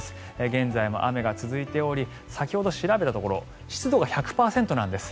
現在も雨が続いており先ほど調べたところ湿度が１００％なんです。